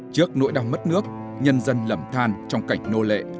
trước nỗi đau mất nước nhân dân lầm than trong cảnh nô lệ